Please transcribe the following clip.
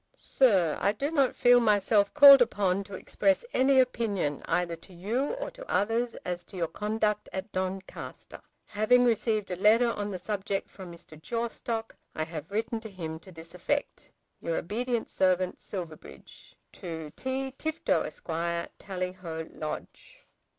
SIR, I do not feel myself called upon to express any opinion either to you or to others as to your conduct at Doncaster. Having received a letter on the subject from Mr. Jawstock I have written to him to this effect. Your obedient Servant, SILVERBRIDGE. To T. Tifto, Esq., Tallyho Lodge.